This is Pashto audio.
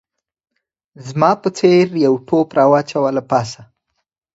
زما په څېر یو ټوپ راواچاوه له پاسه